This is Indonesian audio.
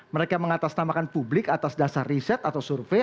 mereka mengatasnamakan publik atas dasar riset atau survei